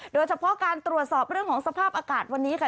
โดยเฉพาะการตรวจสอบเรื่องของสภาพอากาศวันนี้ค่ะ